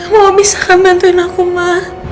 kamu bisa kan bantuin aku ma